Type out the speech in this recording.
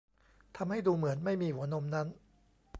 ทำให้ดูเหมือนไม่มีหัวนมนั้น